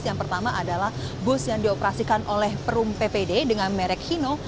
yang pertama adalah bus yang dioperasikan oleh perum ppd dengan merek hino